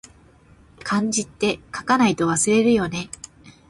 漢字って、書かないと忘れるよね